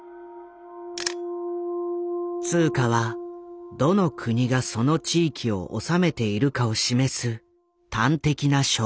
通貨はどの国がその地域を治めているかを示す端的な証拠。